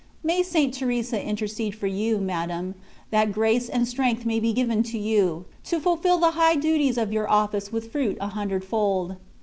May Saint Teresa intercede for you, Madam, that grace and strength may be given you, to fulfil the high duties of your office mth fruit a hundred fold.